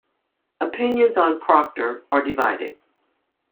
Opinions on Procter are divided.